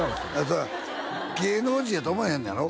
そりゃ芸能人やと思えへんのやろ？